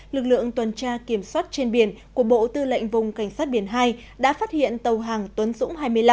lực lượng tuần tra kiểm soát trên biển của bộ tư lệnh vùng cảnh sát biển hai đã phát hiện tàu hàng tuấn dũng hai mươi năm